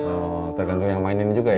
oh tergantung yang mainin juga ya